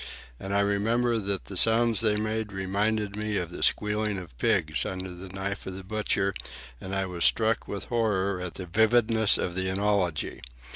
And I remember that the sounds they made reminded me of the squealing of pigs under the knife of the butcher, and I was struck with horror at the vividness of the analogy.